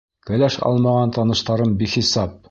Кәләш алмаған таныштарым бихисап.